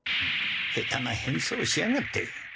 下手な変装しやがって。